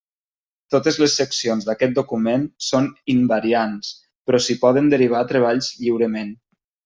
Totes les seccions d'aquest document són “invariants” però s'hi poden derivar treballs lliurement.